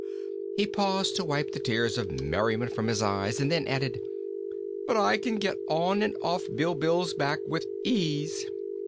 He paused to wipe the tears of merriment from his eyes and then added: "But I can get on and off Bilbil's back with ease."